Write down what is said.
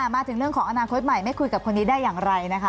มาถึงเรื่องของอนาคตใหม่ไม่คุยกับคนนี้ได้อย่างไรนะคะ